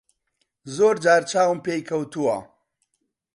زۆر جار چاوم پێی کەوتووە.